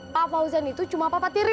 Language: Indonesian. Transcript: pak fauzan itu cuma papa tiri